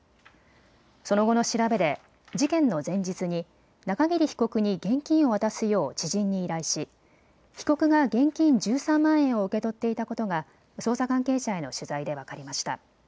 その後の調べで事件の前日に中桐被告に現金を渡すよう知人に依頼し被告が現金１３万円を受け取っていたことが捜査関係者への取材で分かりました。